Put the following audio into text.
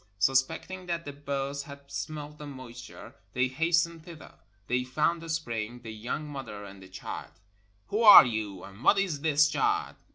Sus pecting that the birds had smelt the moisture, they hastened thither. They found the spring, the young mother, and the child. "Who are you, and what is this child?"